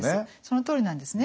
そのとおりなんですね。